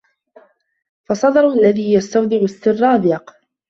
فَصَدرُ الَّذي يُستَودَعُ السِرَّ أَضيَقُ